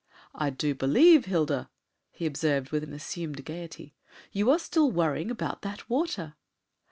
"I do believe, Hilda," he observed with an assumed gaiety, "you are still worrying about that water!"